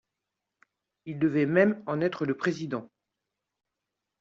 Il devait même en être le président.